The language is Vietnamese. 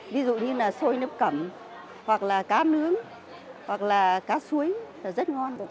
ví dụ như là xôi nấm cẩm hoặc là cá nướng hoặc là cá suối rất ngon